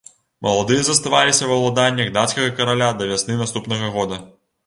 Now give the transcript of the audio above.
Маладыя заставаліся ва ўладаннях дацкага караля да вясны наступнага года.